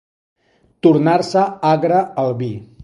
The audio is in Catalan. Tornar-se agre el vi.